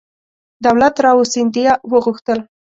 دولت راو سیندهیا وغوښتل.